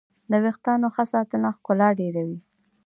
د ویښتانو ښه ساتنه ښکلا ډېروي.